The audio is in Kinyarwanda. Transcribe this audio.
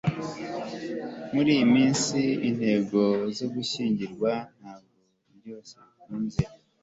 muri iyi minsi, intego zo gushyingirwa ntabwo byanze bikunze